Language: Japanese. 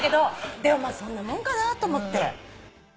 でもそんなもんかなと思って。